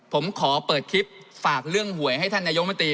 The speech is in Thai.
ผมขอเปิดคลิปฝากเรื่องหวยให้ท่านนายกมตรี